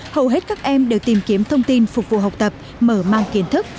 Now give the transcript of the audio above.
hầu hết các em đều tìm kiếm thông tin phục vụ học tập mở mang kiến thức